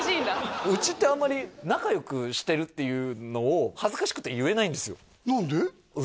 うちってあんまり仲良くしてるっていうのを恥ずかしくて言えないんですよ何で？